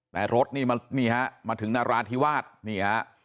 แต่รถนี่นี่ฮะมาถึงนราธิวาสนี่ฮะ